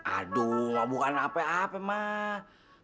aduh bukan apa apa mah